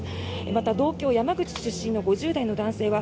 また、同郷・山口出身の５０代の男性は